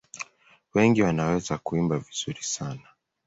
Wengi wanaweza kuimba vizuri sana.